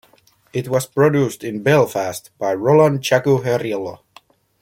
It was produced in Belfast by Roland Jaquarello.